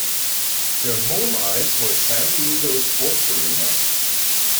Their home ice was San Diego Sports Arena.